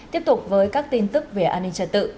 tiếp tục với các tin tức về an ninh trật tự